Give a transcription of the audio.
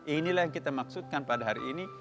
inilah yang kita maksudkan pada hari ini